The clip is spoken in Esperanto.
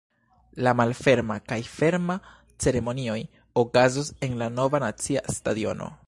La malferma kaj ferma ceremonioj okazos en la Nova nacia stadiono.